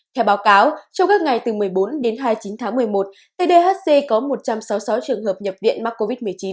theo báo cáo trong các ngày từ một mươi bốn đến hai mươi chín tháng một mươi một tdhc có một trăm sáu mươi sáu trường hợp nhập viện mắc covid một mươi chín